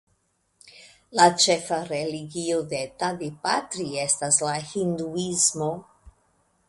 La ĉefa religio de Tadipatri estas la hinduismo.